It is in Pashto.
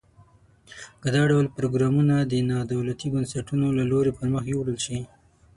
که دا ډول پروګرامونه د نا دولتي بنسټونو له لوري پرمخ یوړل شي.